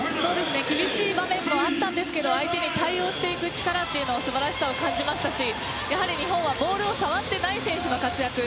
厳しい場面もあったんですが相手に対応していく力の素晴らしさを感じましたし日本はボールを触っていない選手の活躍。